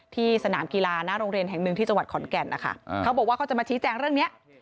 สนามกีฬาหน้าโรงเรียนแห่งหนึ่งที่จังหวัดขอนแก่นนะคะเขาบอกว่าเขาจะมาชี้แจงเรื่องนี้